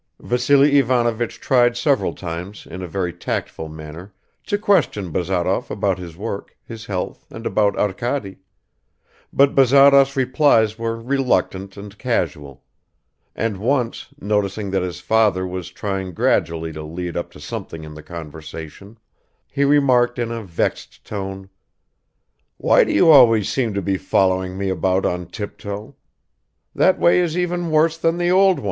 Vassily Ivanovich tried several times in a very tactful manner to question Bazarov about his work, his health, and about Arkady ... But Bazarov's replies were reluctant and casual, and once, noticing that his father was trying gradually to lead up to something in the conversation, he remarked in a vexed tone, "Why do you always seem to be following me about on tiptoe? That way is even worse than the old one."